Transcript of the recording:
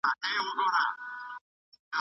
که استاد وي نو زده کړه نه ودریږي.